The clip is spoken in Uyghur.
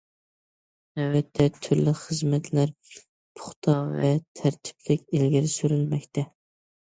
نۆۋەتتە، تۈرلۈك خىزمەتلەر پۇختا ۋە تەرتىپلىك ئىلگىرى سۈرۈلمەكتە.